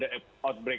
yang kita sebut sebagai